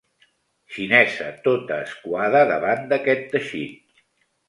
Xinesa tota escuada davant d'aquest teixit.